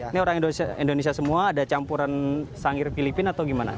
ini orang indonesia semua ada campuran sangir filipina atau gimana